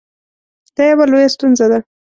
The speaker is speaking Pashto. دا یوه لویه ستونزه ده